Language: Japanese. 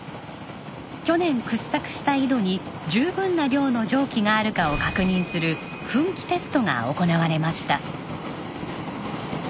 去年掘削した井戸に十分な量の蒸気があるかを確認する噴気テストが行われました。